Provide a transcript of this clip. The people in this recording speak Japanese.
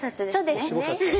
そうですねはい。